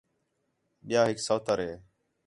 ٻِیا ہِک سوتر ہِے